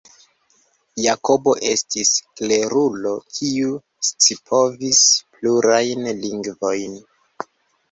Jakobo estis klerulo kiu scipovis plurajn lingvojn.